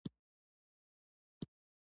د ماښام لمونځ وروسته ولسوال راورسېد.